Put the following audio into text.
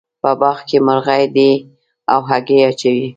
په باغ کې مرغۍ دي او هګۍ اچوې